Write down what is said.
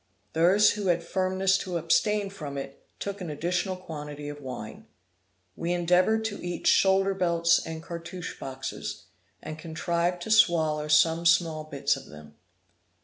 Those who had firmness to abstain from it, took an additional quantity of wine. We endeavored to eat shoulder belts and cartouch boxes, and contrived to swallow some small bits of them.